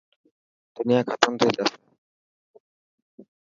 دنيا ختم ٿي جاسي.